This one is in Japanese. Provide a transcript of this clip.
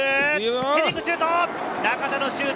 ヘディングシュート！